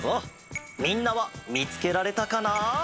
みんなはみつけられたかな？